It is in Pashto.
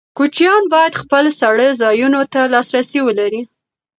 کوچیان باید خپل څړځایونو ته لاسرسی ولري.